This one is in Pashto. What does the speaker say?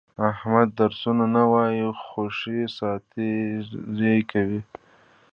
احمد درسونه نه وایي، خوشې ساتېري کوي.